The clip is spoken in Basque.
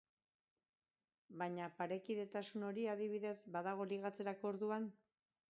Baina, parekidetasun hori, adibidez, badago ligatzerako orduan?